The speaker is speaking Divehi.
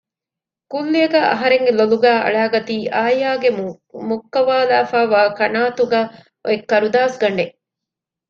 ކުއްލިއަކަށް އަހަރެންގެ ލޮލުގައި އަޅައިގަތީ އާޔާގެ މުއްކަވާލައިފައިވާ ކަނާއަތުގައި އޮތް ކަރުދާސް ގަނޑެއް